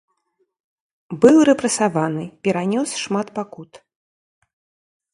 Быў рэпрэсаваны, перанёс шмат пакут.